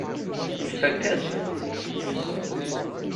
Ifakk-as-t.